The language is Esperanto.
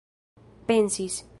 pensis